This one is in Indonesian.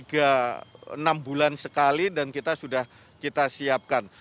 dua bulan sekali dan kita sudah kita siapkan